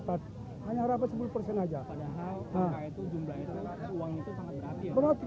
padahal angka itu jumlahnya itu uangnya itu sangat berarti ya